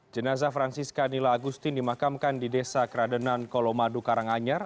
jenazah francisca nila agustin dimakamkan di desa keradenan kolomadu karanganyar